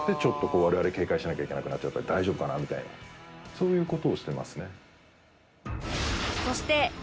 そういう事をしてますね。